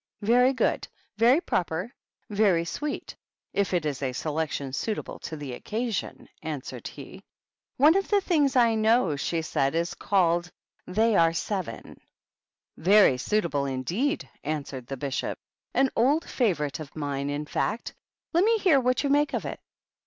" Very good, very proper, very sweet, if it is a selection suitable to the occasion," answered he. "One of the things I know," she said, "is called ^ They are SevenJ^ "" Very suitable, indeed !" answered the Bishop. " An old favorite of mine, in fact. Let me hear what you make of it."